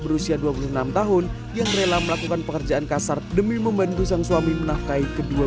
berusia dua puluh enam tahun yang rela melakukan pekerjaan kasar demi membantu sang suami menafkahi kedua